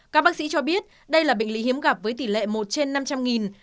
các bác sĩ cho biết đây là bệnh lý hiếm gặp với tỷ lệ một trên năm trăm linh